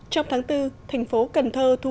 trong tháng bốn thành phố cần thơ